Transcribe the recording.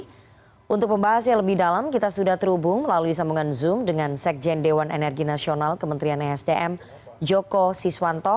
jadi untuk pembahas yang lebih dalam kita sudah terhubung lalu disambungkan zoom dengan sekjen dewan energi nasional kementerian esdm joko siswanto